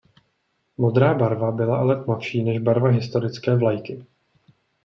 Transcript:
Modrá barva byla ale tmavší než barva historické vlajky.